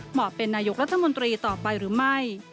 เป็นนายกรัฐมนตรีต่อไปหรือไม่